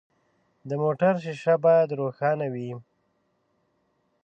د موټر شیشه باید روښانه وي.